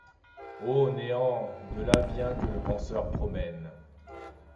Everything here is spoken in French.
Ô. néant ! de là vient que le penseur -promène